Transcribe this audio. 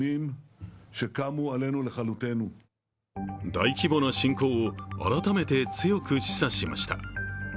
大規模な侵攻を改めて強く示唆しました。